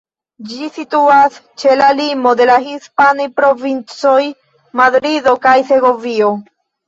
Ĝi situas ĉe la limo de la hispanaj provincoj Madrido kaj Segovio.